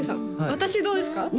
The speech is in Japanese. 私どうですか？